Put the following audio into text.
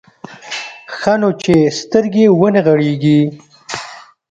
ښه نو چې سترګې ونه غړېږي.